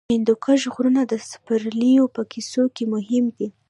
د هندوکش غرونه د سپرليو په کیسو کې مهم دي.